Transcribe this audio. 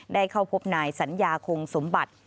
ได้เข้าพบนายสัญญาคงสมบัติ